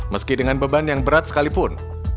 meski dengan beban yang berat sekalipun